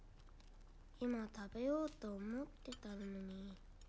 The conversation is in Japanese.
今食べようと思ってたのに。